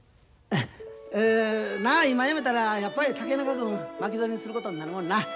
なあ今やめたらやっぱり竹中君巻き添えにすることになるもんな。